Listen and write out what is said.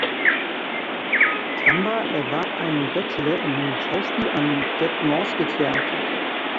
Tamba erwarb einen Bachelor in Schauspiel an Det Norske Teatret.